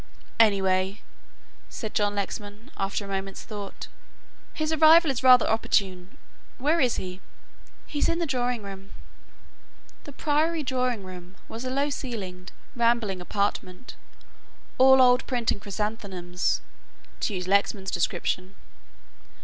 "Anyway," said John Lexman, after a moment's thought, "his arrival is rather opportune. Where is he?" "He is in the drawing room." The Priory drawing room was a low ceilinged, rambling apartment, "all old print and chrysanthemums," to use Lexman's description.